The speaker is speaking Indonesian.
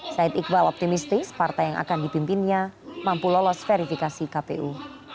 said iqbal optimistis partai yang akan dipimpinnya mampu lolos verifikasi kpu